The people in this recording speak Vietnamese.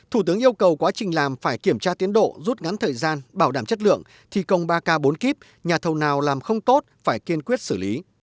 thủ tướng yêu cầu quá trình làm phải kiểm tra tiến độ rút ngắn thời gian bảo đảm chất lượng thi công ba k bốn kip nhà thầu nào làm không tốt phải kiên quyết xử lý